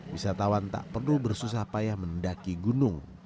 wisatawan tak perlu bersusah payah mendaki gunung